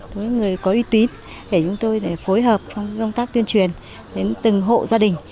những người có uy tín để chúng tôi phối hợp trong công tác tuyên truyền đến từng hộ gia đình